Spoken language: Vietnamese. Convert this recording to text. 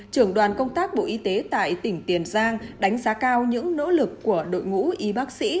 trưởng đoàn công tác bộ y tế tại tỉnh tiền giang đánh giá cao những nỗ lực của đội ngũ y bác sĩ